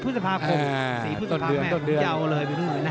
๔พฤษภาแม่ของพุทธเจ้าเลย